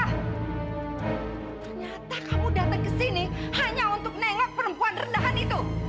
ternyata kamu datang ke sini hanya untuk nengok perempuan rendahan itu